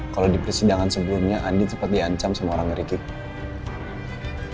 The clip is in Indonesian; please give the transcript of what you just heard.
kalau di persidangan sebelumnya andi sempat diancam sama orang ricky